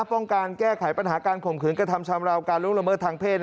ป้องกันแก้ไขปัญหาการข่มขืนกระทำชำราวการล่วงละเมิดทางเพศ